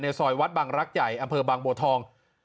ซอยวัดบังรักใหญ่อำเภอบางบัวทอง